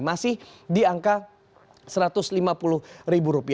masih di angka rp satu ratus lima puluh